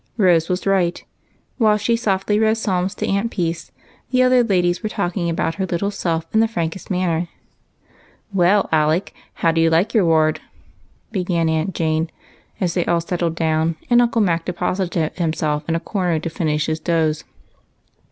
Rose was right; and while she softly read psalms to Aunt Peace, the other ladies were talking about her little self in the frankest manner. "Well, Alec, how do you like your ward?" began Aunt Jane, as they all settled down, and Uncle Mao deposited himself in a corner to finish his doze.